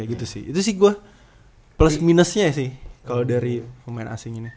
itu sih itu sih gue plus minusnya sih kalau dari pemain asing ini